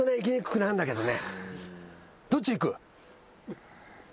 どっちいく？